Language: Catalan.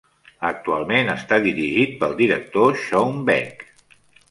Actualment està dirigit pel director Shawn Beck.